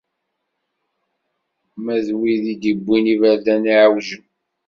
Ma d wid i d-iwwin iberdan iɛewjen.